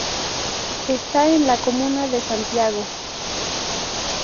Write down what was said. Está en la comuna de Santiago.